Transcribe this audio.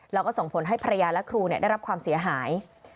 แล้วก็ส่งผลให้ภรรยาและครูได้รับความเสียหาย